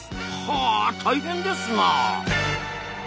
は大変ですなあ。